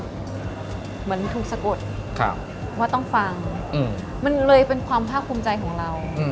เหมือนถูกสะกดว่าต้องฟังมันเลยเป็นความภาคภูมิใจของเรา